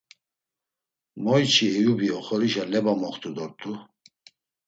Moyçi Eyubi oxorişa leba moxt̆u dort̆u.